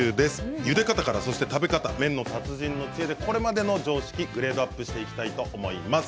ゆで方から食べ方達人の知恵でこれまでの常識をグレードアップしていきたいと思います。